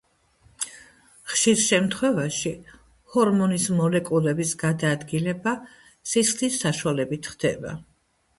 ხშირ შემთხვევაში ჰორმონის მოლეკულების გადაადგილება სისხლის საშუალებით ხდება.